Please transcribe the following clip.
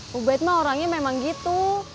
bu bet mah orangnya memang gitu